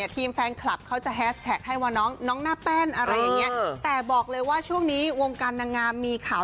แต่บอกเลยว่าช่วงนี้วงการนางงามมีข่าว